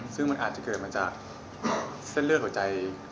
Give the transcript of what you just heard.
ซึ่งมันอาจจะเกิดมาจากเส้นเลือดหัวใจ